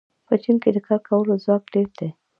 په چین کې د کار کولو ځواک ډېر دی.